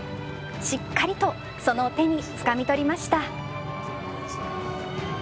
しっかりとその手に掴み取りました。